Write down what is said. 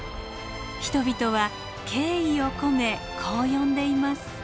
人々は敬意を込めこう呼んでいます。